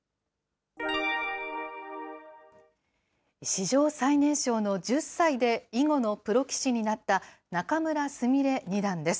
史上最年少の１０歳で囲碁のプロ棋士になった仲邑菫二段です。